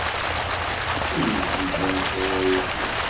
Ini-yi-d amek ara iliɣ